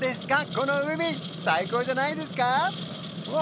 この海最高じゃないですか？